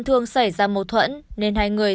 thường xảy ra mâu thuẫn nên hai người